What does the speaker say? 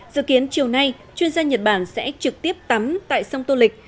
dự kiến chiều nay chuyên gia nhật bản sẽ trực tiếp tắm tại sông tô lịch